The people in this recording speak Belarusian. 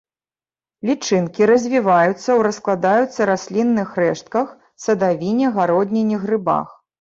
Лічынкі развіваюцца ў раскладаюцца раслінных рэштках, садавіне, гародніне, грыбах.